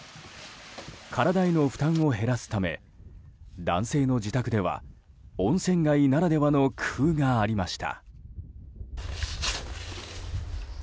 体への負担を減らすため男性の自宅では温泉街ならではの工夫がありました。